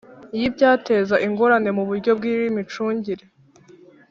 Y ibyateza ingorane mu buryo bw imicungire